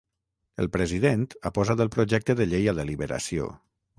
El president ha posat el projecte de llei a deliberació.